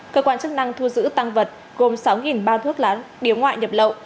cơ quan chức năng thu giữ tăng vật gồm sáu bao thuốc lá điếu ngoại nhập lậu